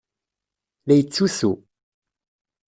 La yettusu.